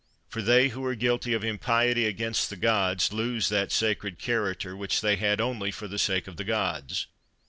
For they who are guilty of impiety against the gods, lose that sacred character, which they had only for the sake of the gods.